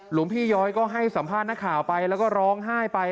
หลวงพี่ย้อยก็ให้สัมภาษณ์นักข่าวไปแล้วก็ร้องไห้ไป